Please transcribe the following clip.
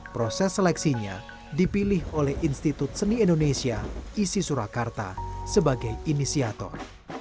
proses seleksinya dipilih oleh institut seni indonesia isi surakarta sebagai inisiator